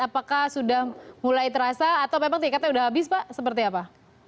apakah sudah mulai terasa atau memang tiketnya sudah habis pak seperti apa